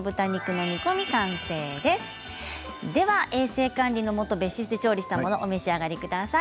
では衛生管理のもと別室で調理したものをお召し上がりください。